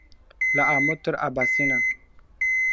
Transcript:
له آمو تر اباسينه !.